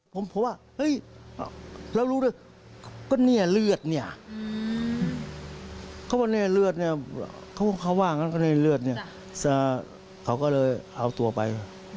ผมเพราะว่าเขาเนี่ยเลือดเนี่ยเขาเรียนเลือดแล้วก็เอาตัวไป